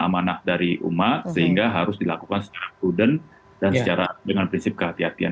amanah dari umat sehingga harus dilakukan secara prudent dan dengan prinsip kehatian